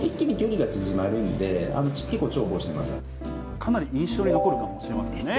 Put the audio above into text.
かなり印象に残るかもしれませんね。